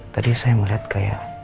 tadi saya melihat kayak